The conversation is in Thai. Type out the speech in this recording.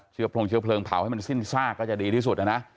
พรงเชื้อเพลิงเผาให้มันสิ้นซากก็จะดีที่สุดนะนะ